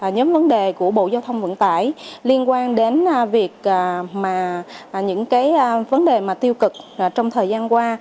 nhóm vấn đề của bộ giao thông vận tải liên quan đến việc những vấn đề mà tiêu cực trong thời gian qua